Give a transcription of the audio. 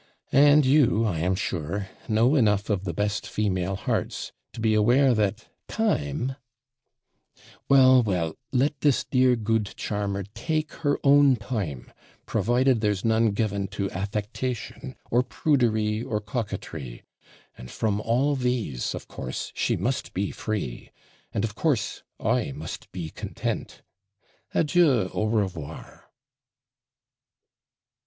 And you, I am sure, know enough of the best female hearts, to be aware that time ' 'Well, well, let this dear good charmer take her own time, provided there's none given to affectation, or prudery, or coquetry; and from all these, of course, she must be free; and of course I must be content. ADIEU AU REVOIR.'